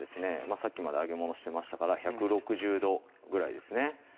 さっきまで揚げ物してましたから１６０度ぐらいですね